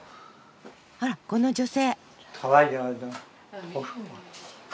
あらこの女性。